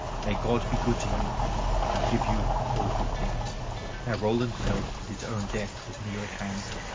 May God be good to you and give you all good things!" Now Roland felt that his own death was near at hand.